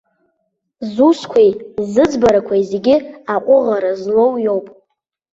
Зусқәеи зыӡбарақәеи зегьы аҟәыӷара злоу иоуп.